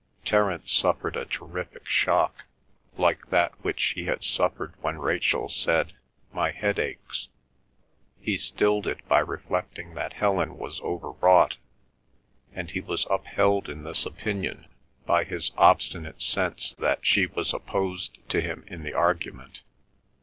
Terence suffered a terrific shock, like that which he had suffered when Rachel said, "My head aches." He stilled it by reflecting that Helen was overwrought, and he was upheld in this opinion by his obstinate sense that she was opposed to him in the argument.